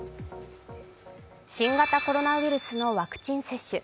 新型コロナウイルスのワクチン接種。